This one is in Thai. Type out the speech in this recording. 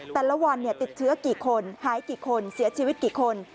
แต่ละวันติดเชื้อกี่คนหายกี่คนเสียชีวิตกี่คน